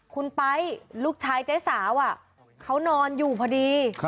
คุณไป๊ลูกชายเจ๊สาวเขานอนอยู่พอดี